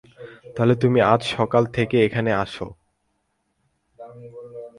তাহলে, তুমি আজ সকাল থেকে এখানে আছো।